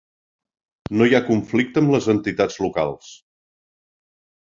No hi ha conflicte amb les entitats locals.